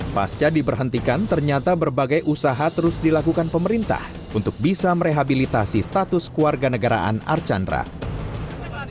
pasca diberhentikan ternyata berbagai usaha terus dilakukan pemerintah untuk bisa merehabilitasi status keluarga negaraan archandra